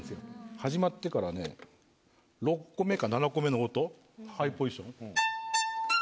始まってからね６個目か７個目の音ハイポジション。